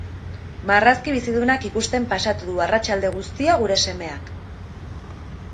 Marrazki bizidunak ikusten pasatu du arratsalde guztia gure semeak.